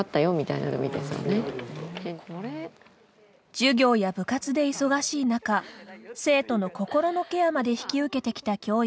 授業や部活で忙しい中生徒の心のケアまで引き受けてきた教員たち。